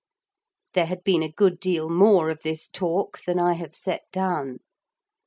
There had been a good deal more of this talk than I have set down.